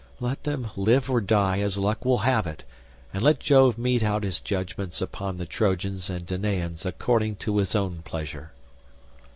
Let them live or die as luck will have it, and let Jove mete out his judgements upon the Trojans and Danaans according to his own pleasure."